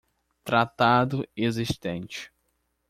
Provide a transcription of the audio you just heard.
Tratado existente